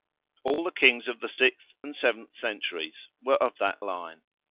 All the kings of the sixth and seventh centuries were of that line.